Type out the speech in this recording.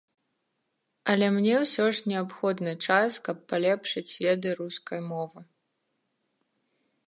Але мне ўсё ж неабходны час, каб палепшыць веды рускай мовы.